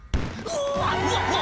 「うわ！